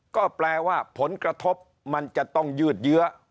ก็แปลว่าผลกระทบมันจะต้องยืดเยื้อ